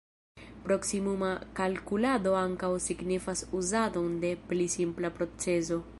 Proksimuma kalkulado ankaŭ signifas uzadon de pli simpla procezo.